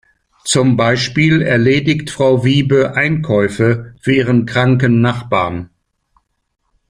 Zum Beispiel erledigt Frau Wiebe Einkäufe für ihren kranken Nachbarn.